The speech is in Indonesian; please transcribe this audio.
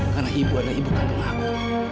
karena ibu adalah ibu kandung aku